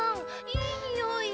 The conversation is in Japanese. いいにおい。